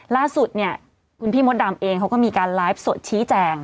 ล่าสุดเนี่ยคุณพี่มดดำเองเขาก็มีการไลฟ์สดชี้แจง